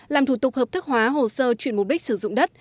làm thủ tục hợp thức hóa hồ sơ chuyển mục đích sử dụng đất